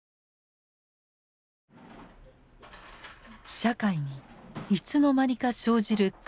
社会にいつの間にか生じる階層意識。